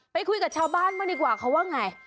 ไปคุยกับชาวบ้านบ้างดีกว่าเขาว่าไง